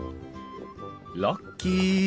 ラッキー。